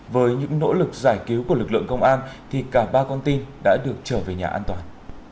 với những nỗ lực giải cứu của lực lượng công an thì cả ba con tin đã được trở về nhà an toàn